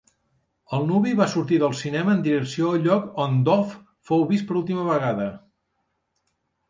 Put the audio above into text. El nuvi va sortir del cinema en direcció al lloc on Dodd fou vist per última vegada.